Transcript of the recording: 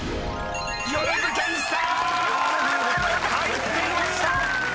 ［入っていました！］